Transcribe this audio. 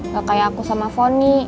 gak kayak aku sama foni